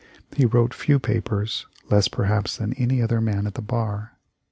He wrote few papers — less perhaps than any other man at the bar.